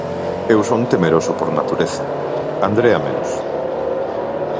Eu son temeroso por natureza, Andrea menos.